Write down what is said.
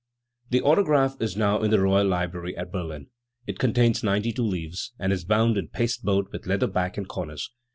The autograph is now in the Royal Library at Berlin. It contains ninety two leaves, and is bound in paste board with leather back and corners.